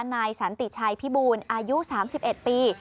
นายสันติชัยพิบูลอายุ๓๑ปี